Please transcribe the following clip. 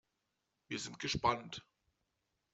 Wir sind gespannt.